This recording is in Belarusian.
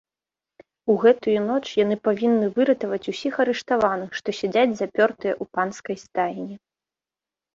У гэтую ноч яны павінны выратаваць усіх арыштаваных, што сядзяць запёртыя ў панскай стайні.